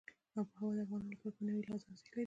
آب وهوا د افغانانو لپاره په معنوي لحاظ ارزښت لري.